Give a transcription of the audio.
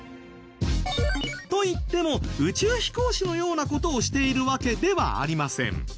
といっても宇宙飛行士のような事をしているわけではありません。